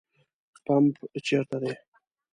پمپ چیرته ده؟